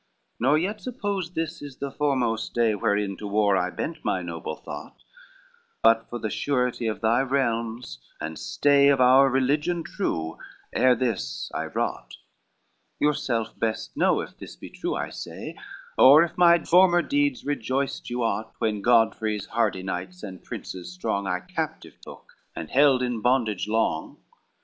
XLIV "Nor yet suppose this is the foremost day Wherein to war I bent my noble thought, But for the surety of thy realms, and stay Of our religion true, ere this I wrought: Yourself best know if this be true I say, Or if my former deeds rejoiced you aught, When Godfrey's hardy knights and princes strong I captive took, and held in bondage long.